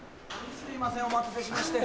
すいませんお待たせしまして。